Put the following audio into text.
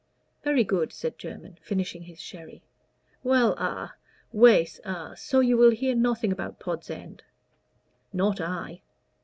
"Very good," said Jermyn, finishing his sherry. "Well a Wace a so you will hear nothing about Pod's End?" "Not I."